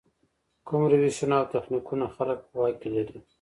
کوم روشونه او تخنیکونه خلک په واک کې لري.